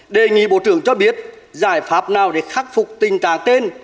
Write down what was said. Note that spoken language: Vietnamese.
đề nghị bộ trưởng cho biết giải pháp nào để khắc phục tình trạng trên